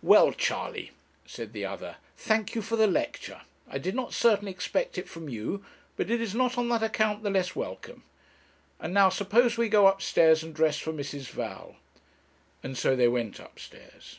'Well, Charley,' said the other, 'thank you for the lecture. I did not certainly expect it from you; but it is not on that account the less welcome. And now, suppose we go upstairs and dress for Mrs. Val;' and so they went upstairs.